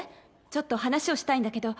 「ちょっと話をしたいんだけど」